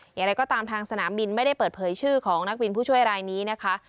อย่างไรก็ตามทางสนามบินไม่ได้เปิดเผยชื่อของนักบินผู้ช่วยรายนี้นะคะ